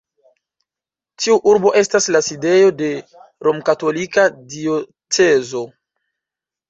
Tiu urbo estas la sidejo de romkatolika diocezo.